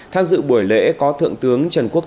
tháng dự buổi lễ có thượng tướng trần quốc tò